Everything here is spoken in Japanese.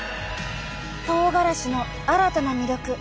とうがらしの新たな魅力。